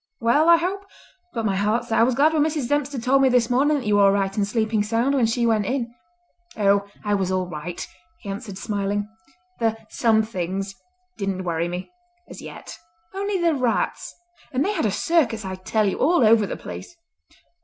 Well, I hope? But my heart! sir, I was glad when Mrs. Dempster told me this morning that you were all right and sleeping sound when she went in." "Oh, I was all right," he answered smiling, "the 'somethings' didn't worry me, as yet. Only the rats; and they had a circus, I tell you, all over the place.